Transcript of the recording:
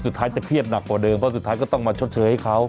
จะเครียดหนักกว่าเดิมเพราะสุดท้ายก็ต้องมาชดเชยให้เขา